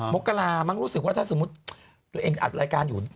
มกรามั้งรู้สึกว่าถ้าสมมุติตัวเองอัดรายการอยู่